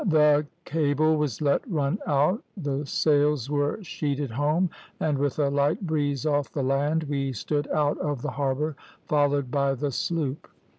The cable was let run out, the sails were sheeted home, and, with a light breeze off the land, we stood out of the harbour, followed by the sloop.